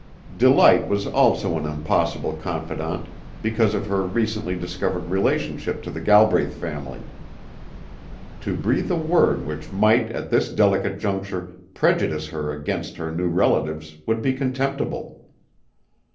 Delight was also an impossible confidant because of her recently discovered relationship to the Galbraith family. To breathe a word which might at this delicate juncture prejudice her against her new relatives would be contemptible.